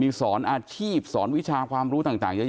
มีสอนอาชีพสอนวิชาความรู้ต่างเยอะ